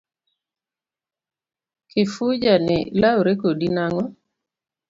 Kifuja ni lawre kodi nang'o?